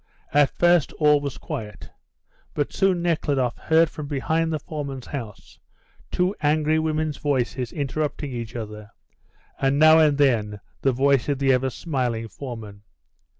At first all was quiet, but soon Nekhludoff heard from behind the foreman's house two angry women's voices interrupting each other, and now and then the voice of the ever smiling foreman.